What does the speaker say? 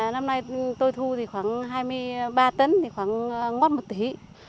năm nay tôi thu thì khoảng hai mươi ba tấn thì khoảng ngót một tỷ